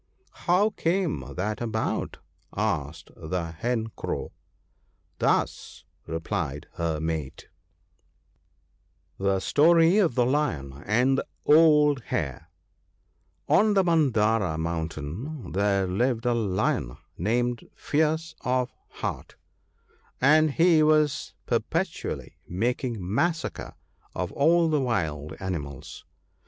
" How came that about ?" asked the Hen Crow. " Thus," replied her mate :— $f)e £>tDtu of tf)c ICian anb tfjc <&Hi N the Mandara mountain there lived a Lion named Fierce of heart, and he was per petually making massacre of all the wild animals.